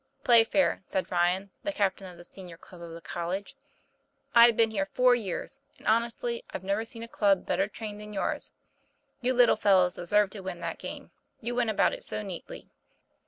'Playfair," said Ryan, the captain of the senior club of the college, " I've been here four years, and, honestly, I've never seen a club better trained than yours. You little fellows deserved to win that game, you went about it so neatly."